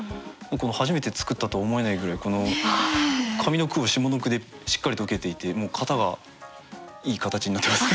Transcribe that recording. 初めて作ったと思えないぐらい上の句を下の句でしっかりと受けていてもう型がいい形になってます。